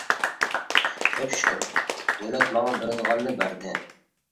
كۆپ شۈكۈر، دۆلەت ماڭا بېرىدىغاننى بەردى.